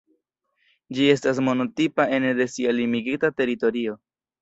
Ĝi estas monotipa ene de sia limigita teritorio.